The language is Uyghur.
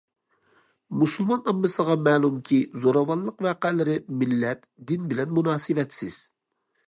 مۇسۇلمان ئاممىسىغا مەلۇمكى زوراۋانلىق ۋەقەلىرى مىللەت، دىن بىلەن مۇناسىۋەتسىز.